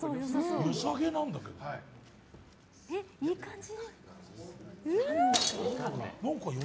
いい感じ。